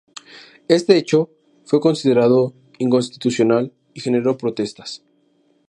Este hecho fue considerado inconstitucional y generó protestas.